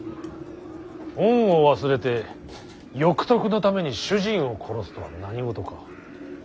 恩を忘れて欲得のために主人を殺すとは何事か。